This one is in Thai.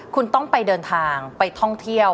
คุณต้องไปเดินทางไปท่องเที่ยว